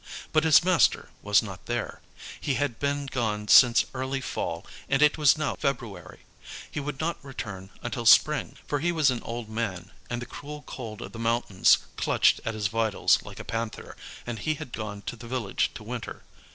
But his master was not there; he had been gone since early fall and it was now February. He would not return until spring, for he was an old man, and the cruel cold of the mountains clutched at his vitals like a panther, and he had gone to the village to winter.